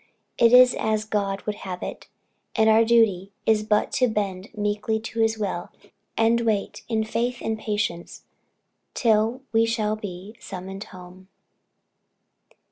It is all as God would have it, and our duty is but to bend meekly to his will, and wait, in faith and patience, till we also shall be summoned home.